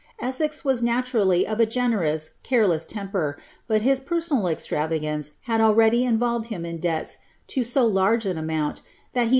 * E^'fs was naturally of a generous, careless temper, but his personal extnua ^nrc had already involved him in debts to so large an amount, that he ' Camden.